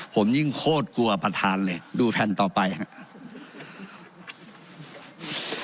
ผมยิ่งโคตรกลัวประธานเลยดูแผ่นต่อไปครับ